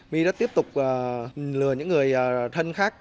my đã tiếp tục lừa những người thân khác